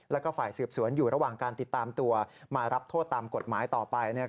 แล้วก็ฝ่ายสืบสวนอยู่ระหว่างการติดตามตัวมารับโทษตามกฎหมายต่อไป